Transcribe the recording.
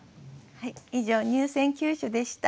以上入選九首でした。